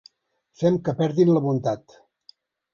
Fem que perdin la bondat.